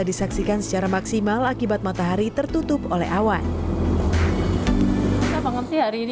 disaksikan secara maksimal akibat matahari tertutup oleh awan kita paham sih hari ini